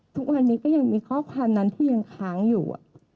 ทุกวันนี้ก็ยังมีข้อความนั้นที่ยังค้างอยู่